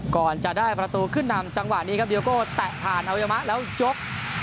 ก่อนจะได้ประตูขึ้นนำจังหวะนี้ครับเดียโก้แตะผ่านอวัยมะแล้วยก